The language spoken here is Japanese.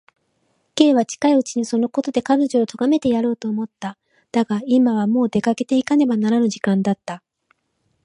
Ｋ は近いうちにそのことで彼女をとがめてやろうと思った。だが、今はもう出かけていかねばならぬ時間だった。